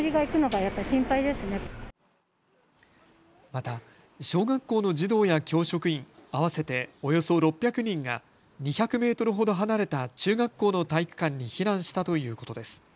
また小学校の児童や教職員合わせておよそ６００人が２００メートルほど離れた中学校の体育館に避難したということです。